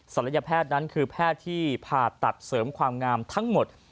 ศัลยแพทย์นั้นคือแพทย์ที่ผ่าตัดเสริมความงามทั้งหมด